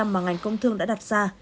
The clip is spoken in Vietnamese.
mà ngành công thương đã đặt ra